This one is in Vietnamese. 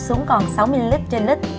xuống còn sáu ml trên lít